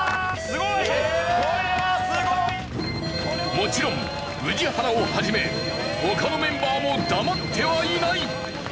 もちろん宇治原を始め他のメンバーも黙ってはいない。